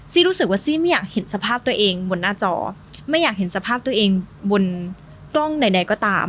รู้สึกว่าซี่ไม่อยากเห็นสภาพตัวเองบนหน้าจอไม่อยากเห็นสภาพตัวเองบนกล้องใดก็ตาม